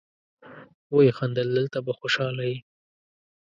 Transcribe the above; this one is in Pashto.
ويې خندل: دلته به خوشاله يې.